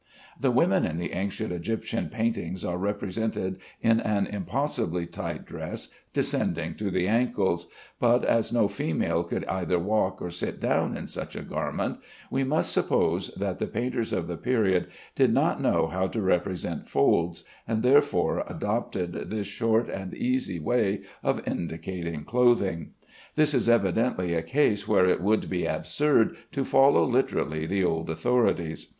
The women in the ancient Egyptian paintings are represented in an impossibly tight dress descending to the ankles, but as no female could either walk or sit down in such a garment, we must suppose that the painters of the period did not know how to represent folds and therefore adopted this short and easy way of indicating clothing. This is evidently a case where it would be absurd to follow literally the old authorities.